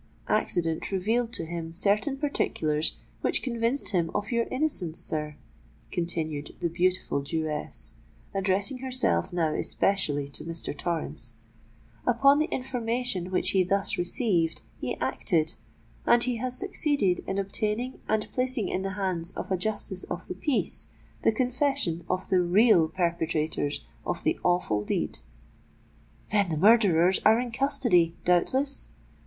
Accident revealed to him certain particulars which convinced him of your innocence, sir," continued the beautiful Jewess, addressing herself now especially to Mr. Torrens: "upon the information which he thus received, he acted—and he has succeeded in obtaining and placing in the hands of a Justice of the Peace the confession of the real perpetrators of the awful deed——" "Then the murderers are in custody, doubtless?"